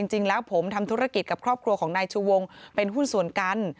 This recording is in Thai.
จริงแล้วผมทำธุรกิจกับครอบครัวของนายชูวงเป็นหุ้นส่วนกัน